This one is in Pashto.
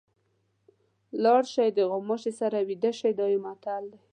لاړ شئ د غوماشي سره ویده شئ دا یو متل دی.